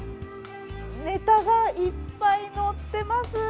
ネタがいっぱいのってます。